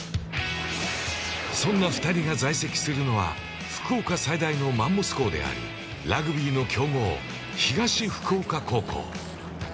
そんな２人が在籍するのは、福岡最大のマンモス校であり、ラグビーの強豪・東福岡高校。